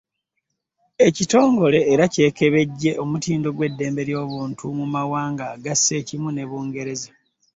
Ekitongole era ky’ekebejja omutindo gw’eddembe ly’obuntu mu mawanga agassa ekimu ne Bungereza.